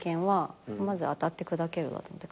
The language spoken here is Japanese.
まず当たって砕けろだと思って。